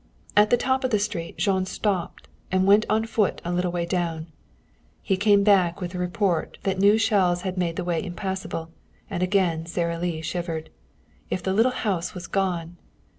At the top of the street Jean stopped and went on foot a little way down. He came back, with the report that new shells had made the way impassable; and again Sara Lee shivered. If the little house was gone!